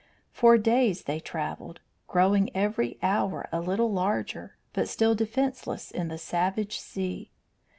For days they travelled, growing every hour a little larger, but still defenceless in the savage sea.